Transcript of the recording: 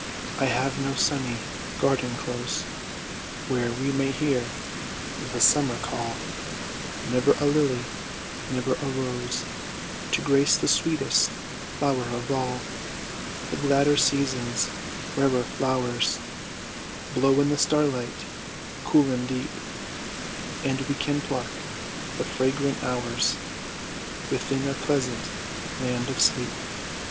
I have no sunny garden close Where we may hear the summer call, Never a lily, never a rose, To grace the sweetest flower of all ; But gladder seasons, rarer flowers, Blow in the starlight cool and deep, And we can pluck the fragrant hours Within our pleasant land of sleep.